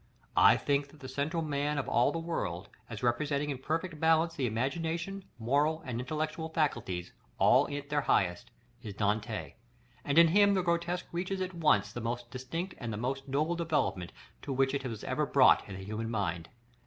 I think that the central man of all the world, as representing in perfect balance the imaginative, moral, and intellectual faculties, all at their highest, is Dante; and in him the grotesque reaches at once the most distinct and the most noble developement to which it was ever brought in the human mind.